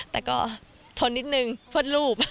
แต่ก็ทนนิดนึงเพื่อรูป